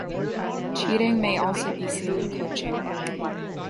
Cheating may also be seen in coaching.